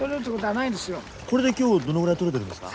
これで今日どのぐらい取れてるんですか？